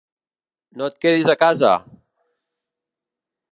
No et quedis a casa!